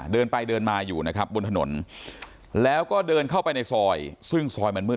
เดินไปเดินมาอยู่นะครับบนถนนแล้วก็เดินเข้าไปในซอยซึ่งซอยมันมืด